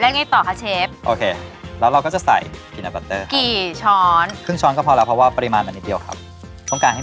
แล้วยังไงต่อค่ะเชฟแล้วเราก็จะใส่กินัดบัตเตอร์ครับตรงกลางให้มีกลิ่นเข้ามาเฉลิม